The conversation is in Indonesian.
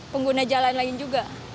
pengguna jalan lain juga